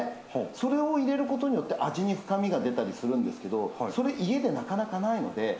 それを入れることによって味に深みが出たりするんですけどそれ、家でなかなかないので。